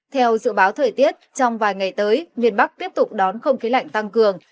theo dự báo thời tiết trong vài ngày tới miền bắc tiếp tục đón không khí lạnh tăng cường